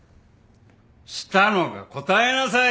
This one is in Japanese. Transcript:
したのか答えなさい！